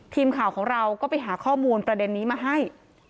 ทีมข่าวของเราก็ไปหาข้อมูลประเด็นนี้มาให้